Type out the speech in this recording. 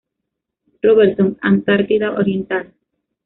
Robertson, Antártida Oriental.